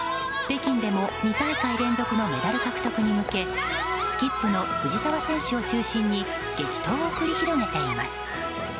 北京でも２大会連続のメダル獲得へ向けてスキップの藤澤選手を中心に激闘を繰り広げています。